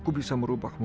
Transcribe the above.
aku bisa merubahmu